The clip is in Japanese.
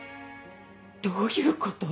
どういうこと？